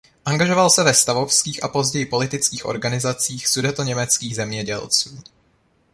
Angažoval se ve stavovských a později politických organizacích sudetoněmeckých zemědělců.